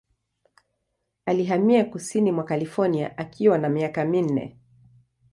Alihamia kusini mwa California akiwa na miaka minne.